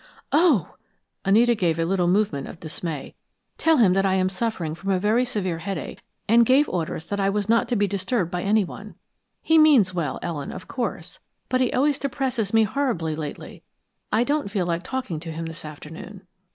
"Oh!" Anita gave a little movement of dismay. "Tell him that I am suffering from a very severe headache, and gave orders that I was not to be disturbed by anyone. He means well, Ellen, of course, but he always depresses me horribly, lately. I don't feel like talking to him this afternoon."